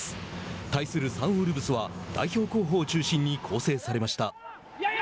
対するサンウルブズは代表候補を中心に構成されました。